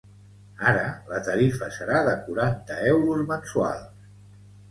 Ara la tarifa serà de quaranta euros mensuals.